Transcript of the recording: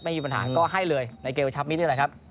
ไม่มีปัญหาก็ให้เลยในเกมชับมิตรนี่แหละครับ